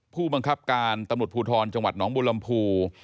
ผู้บังคับการตำรวจภูทรจังหวัดหนองบุรมภู